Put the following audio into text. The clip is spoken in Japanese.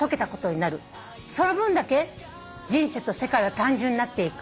「その分だけ人生と世界は単純になっていく」